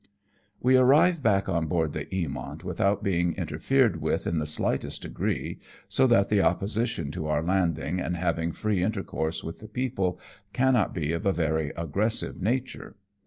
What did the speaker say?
We arrive back on board the Eamont witbout being interfered with in the slightest degree^ so that the opposition to our landing, and having free intercourse with the people, cannot be of a very aggressive nature.